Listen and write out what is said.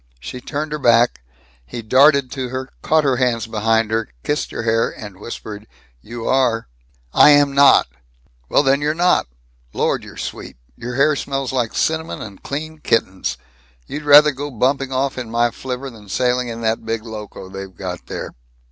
She turned her back. He darted to her, caught her hands behind her, kissed her hair, and whispered, "You are!" "I am not!" "Well then, you're not. Lord, you're sweet! Your hair smells like cinnamon and clean kittens. You'd rather go bumping off in my flivver than sailing in that big Loco they've got there."